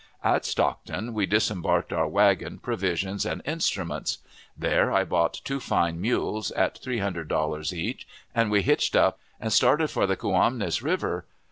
At Stockton we disembarked our wagon, provisions, and instruments. There I bought two fine mules at three hundred dollars each, and we hitched up and started for the Coaumnes River.